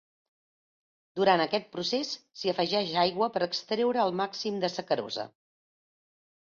Durant aquest procés s’hi afegeix aigua per extreure el màxim de sacarosa.